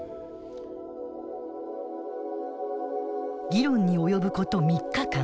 議論に及ぶこと３日間。